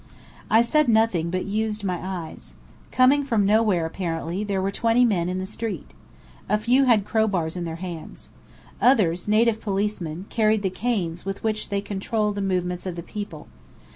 I said nothing, but used my eyes. Coming from nowhere apparently, there were twenty men in the street. A few had crowbars in their hands. Others, native policemen, carried the canes with which they control the movements of the people.